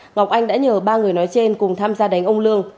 ngọc anh đã nhờ ba người nói trên cùng tham gia đánh ông lương